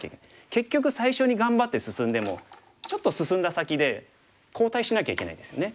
結局最初に頑張って進んでもちょっと進んだ先で後退しなきゃいけないですよね。